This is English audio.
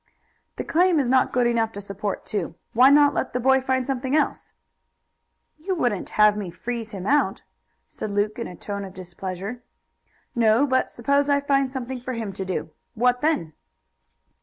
"The claim is not good enough to support two. Why not let the boy find something else?" "You wouldn't have me freeze him out?" said Luke in a tone of displeasure. "No, but suppose I find something for him to do? What then?"